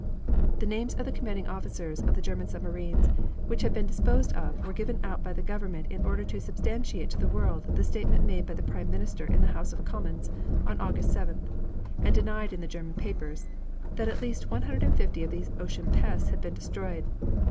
The names of the commanding officers of the German submarines which had been disposed of were given out by the government in order to substantiate to the world the statement made by the Prime Minister in the House of Commons on August 7th, and denied in the German papers, that "at least 150 of these ocean pests had been destroyed."